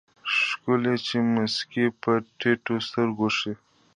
ښکلے چې مسکې په ټيټو سترګو شي